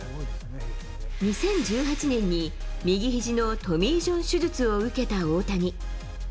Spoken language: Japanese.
２０１８年に右ひじのトミー・ジョン手術を受けた大谷。